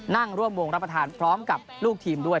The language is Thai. นั่งร่วมวงรับประทานพร้อมกับลูกทีมด้วย